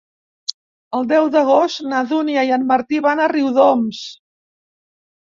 El deu d'agost na Dúnia i en Martí van a Riudoms.